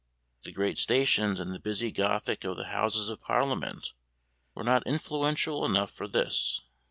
The great stations and the busy Gothic of the Houses of Parliament were not influential enough for this.